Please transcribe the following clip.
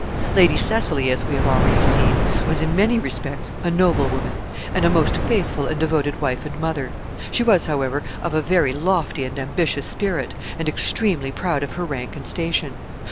Lady Cecily, as we have already seen, was in many respects a noble woman, and a most faithful and devoted wife and mother; she was, however, of a very lofty and ambitious spirit, and extremely proud of her rank and station.